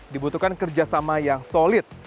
dibutuhkan kerjasama yang solid